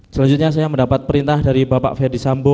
selanjutnya saya mendapat perintah dari bapak ferdisambo